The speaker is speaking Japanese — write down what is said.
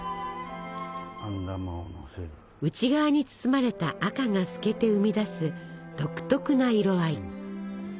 内側に包まれた赤が透けて生み出す独特な色合い。